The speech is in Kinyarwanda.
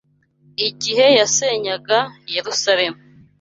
igihe yasenyaga Yerusalemu